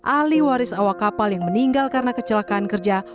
ahli waris awak kapal yang meninggal karena kecelakaan kerja